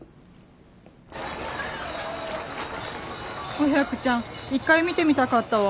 お百ちゃん一回見てみたかったわ。